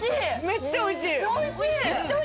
めっちゃおいしい！